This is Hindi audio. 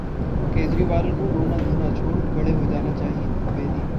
केजरीवाल को रोना-धोना छोड़, बड़े हो जाना चाहिए: बेदी